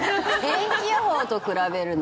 天気予報と比べるの？